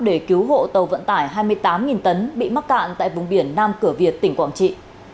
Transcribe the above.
để cứu hộ tàu vận tải hai mươi tám tấn bị mắc cạn tại vùng biển nam cửa việt tỉnh quảng trị